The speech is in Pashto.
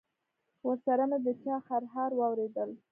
ورسره مې د چا خرهار واورېدل.